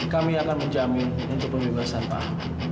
kami akan menjamin untuk pembebasan pak